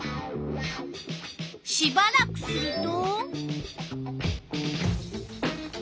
しばらくすると。